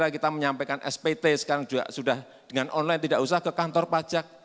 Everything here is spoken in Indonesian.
saya kira kita menyampaikan spt sekarang sudah dengan online tidak usah ke kantor pajak